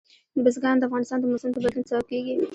بزګان د افغانستان د موسم د بدلون سبب کېږي.